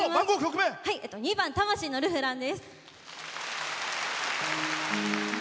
２番「魂のルフラン」。